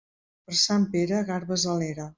Per Sant Pere, garbes a l'era.